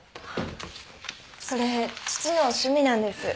それ父の趣味なんです。